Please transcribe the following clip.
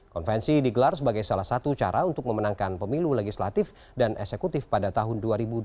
konvensi digelar sebagai salah satu cara untuk memenangkan pemilu legislatif dan eksekutif pada tahun dua ribu dua puluh